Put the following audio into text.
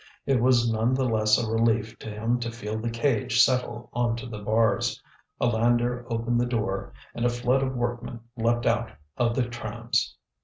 It was none the less a relief to him to feel the cage settle on to the bars. A lander opened the door, and a flood of workmen leapt out of the trams.